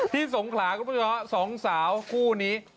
สงขลาคุณผู้ชมฮะสองสาวคู่นี้